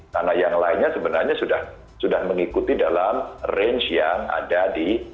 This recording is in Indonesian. karena yang lainnya sebenarnya sudah mengikuti dalam range yang ada di